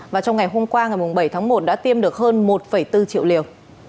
và trong ngày hôm qua ngày bảy tháng một đã tiêm được hơn một bốn triệu liều